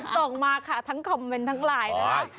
ส่งมาค่ะทั้งคอมเมนต์ทั้งไลน์นะคะ